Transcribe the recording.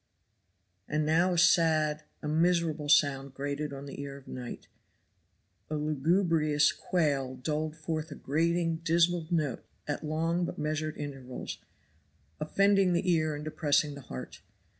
And now a sad, a miserable sound grated on the ear of night. A lugubrious quail doled forth a grating, dismal note at long but measured intervals, offending the ear and depressing the heart.